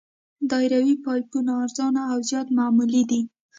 دایروي پایپونه ارزانه او زیات معمول دي